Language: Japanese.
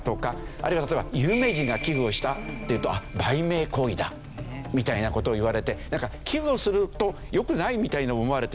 あるいは例えば有名人が寄付をしたっていうと売名行為だみたいな事を言われてなんか寄付をするとよくないみたいに思われていた。